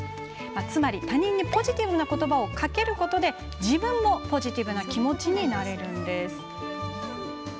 つまり、他人にポジティブなことばをかけることで自分もポジティブな気持ちになれるのです。